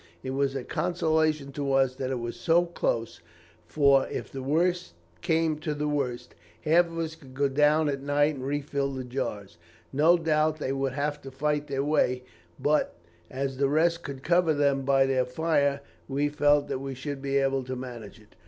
It was a consolation to us that it was so close, for, if the worst came to the worst, half of us could go down at night and refill the jars. No doubt they would have to fight their way, but, as the rest could cover them by their fire, we felt that we should be able to manage it.